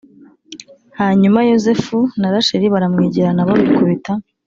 hanyuma Yozefu na Rasheli baramwegera na bo bikubita